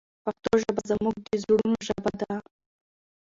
پښتو ژبه زموږ د زړونو ژبه ده.